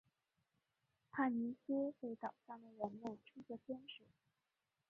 帕妮丝被岛上的人们称作天使。